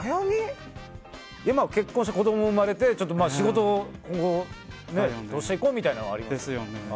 今、結婚して子供も生まれてちょっと仕事をどうしていこうみたいなのはありますね。ですよね。